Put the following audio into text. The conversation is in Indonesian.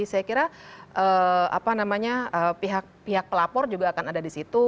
saya kira apa namanya pihak pelapor juga akan ada disitu